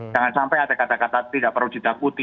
jangan sampai ada kata kata tidak perlu ditakuti